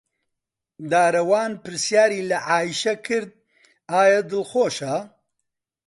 دارەوان پرسیاری لە عایشە کرد ئایا دڵخۆشە.